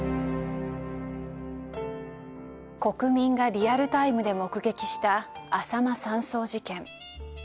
国民がリアルタイムで目撃したあさま山荘事件。